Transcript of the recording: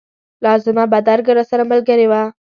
لازمه بدرګه راسره ملګرې وه.